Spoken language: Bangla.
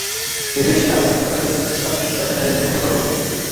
ভেবেছিলাম মরিসট হয়তো ভূতাত্ত্বিক রসায়নের একজন প্রফেসর হবে।